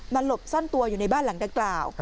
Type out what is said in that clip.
หลบซ่อนตัวอยู่ในบ้านหลังดังกล่าว